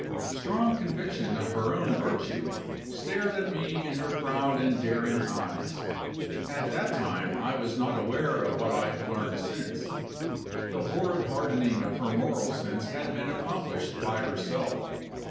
Strong conviction of her own virtue stared at me in her proud and daring eyes. At that time, I was not aware of what I have learned since. The horrid hardening of her moral sense had been accomplished by herself.